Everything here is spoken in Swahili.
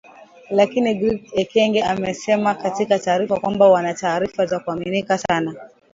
Lakini Brig Ekenge amesema katika taarifa kwamba wana taarifa za kuaminika sana